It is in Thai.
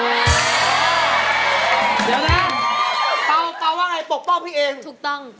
เดี๋ยวนะเปล่าแปลว่าไงปกป้องพี่เองถูกต้อง